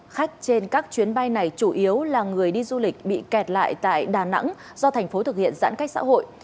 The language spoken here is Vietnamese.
khách trên các chuyến bay này chủ yếu là người đi du lịch bị kẹt lại tại đà nẵng do thành phố thực hiện giãn cách xã hội